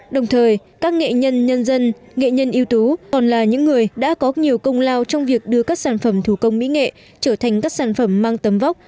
đồng thời các nghệ nhân nhân dân nghệ nhân yếu tố còn là những người đã có nhiều công lao trong việc đưa các sản phẩm thủ công mỹ nghệ trở thành các sản phẩm mang tầm vóc